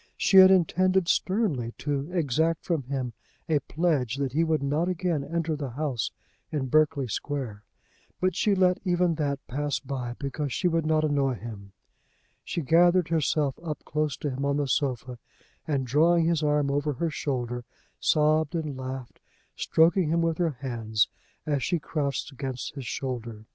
She had intended sternly to exact from him a pledge that he would not again enter the house in Berkeley Square, but she let even that pass by because she would not annoy him. She gathered herself up close to him on the sofa, and drawing his arm over her shoulder, sobbed and laughed, stroking him with her hands as she crouched against his shoulder.